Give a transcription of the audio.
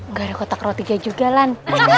gak ada kotak roti jajugalan